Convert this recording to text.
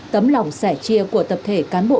tấm lòng sẻ chia của tập thể cán bộ